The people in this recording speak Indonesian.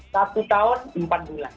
satu tahun empat bulan